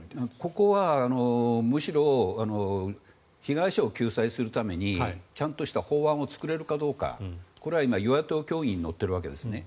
ここはむしろ被害者を救済するためにちゃんとした法案を作れるかどうかこれは与野党協議に乗っているんですね。